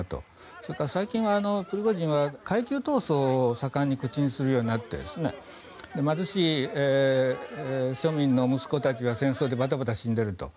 それから最近、プリゴジンは階級闘争を盛んに口にするようになって貧しい庶民の息子たちが戦争でバタバタ死んでると。